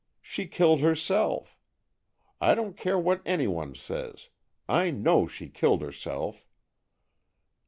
She killed herself! I don't care what any one says—I know she killed herself!"